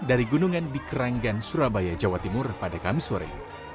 dari gunungan di keranggan surabaya jawa timur pada kamis sore